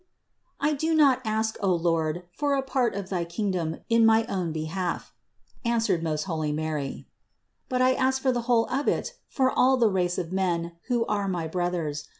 "I do not ask, O Lord, for a part of thy kingdom in my own behalf," answered most holy Mary, "but I ask for the whole of it for all the race of men, who are my brothers.